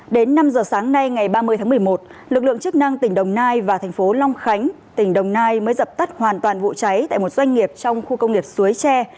đến năm giờ sáng nay ngày ba mươi tháng một mươi một lực lượng chức năng tỉnh đồng nai và thành phố long khánh tỉnh đồng nai mới dập tắt hoàn toàn vụ cháy tại một doanh nghiệp trong khu công nghiệp suối tre